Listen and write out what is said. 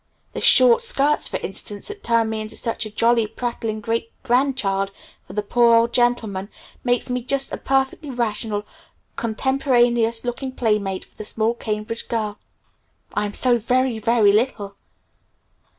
The short skirts, for instance, that turn me into such a jolly prattling great grandchild for the poor old gentleman, make me just a perfectly rational, contemporaneous looking play mate for the small Cambridge girl. I'm so very, very little!"